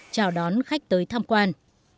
chào đón khách tươi tham quan